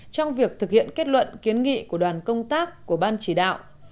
trong việc thực hiện kết luận kiến nghị của đoàn công tác của ban chỉ đạo